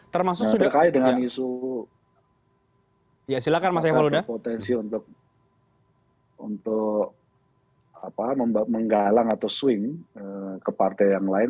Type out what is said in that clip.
terkait dengan isu berpotensi untuk menggalang atau swing ke partai yang lain